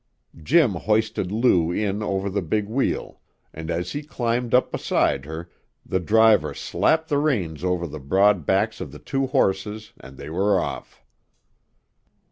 Jim hoisted Lou in over the big wheel and as he climbed up beside her the driver slapped the reins over the broad backs of the two horses, and they were off.